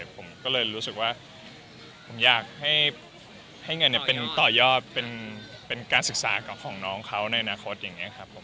ผมก็เลยรู้สึกว่าผมอยากให้เงินเป็นต่อยอดเป็นการศึกษาของน้องเขาในอนาคตอย่างนี้ครับผม